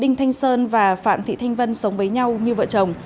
đinh thanh sơn và phạm thị thanh vân sống với nhau như vợ chồng